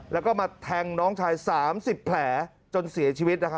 แล้วก็มาแทงน้องชาย๓๐แผลจนเสียชีวิต